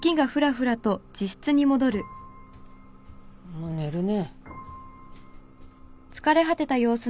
もう寝るね。